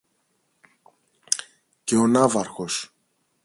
Και ο ναύαρχος.